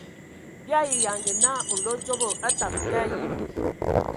Bii ayi yanga naa nlodzobo a tamǝ ka yimbi.